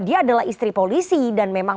dia adalah istri polisi dan memang